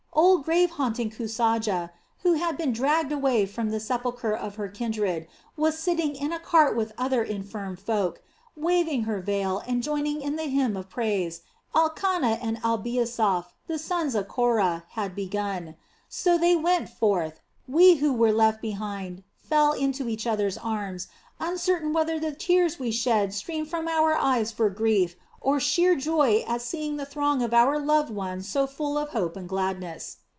Old grave haunting Kusaja, who had been dragged away from the sepulchre of her kindred, was sitting in a cart with other infirm folk, waving her veil and joining in the hymn of praise Elkanah and Abiasaph, the sons of Korah, had begun. So they went forth; we who were left behind fell into each other's arms, uncertain whether the tears we shed streamed from our eyes for grief or for sheer joy at seeing the throng of our loved ones so full of hope and gladness.